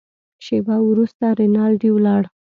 شېبه وروسته رینالډي ولاړ.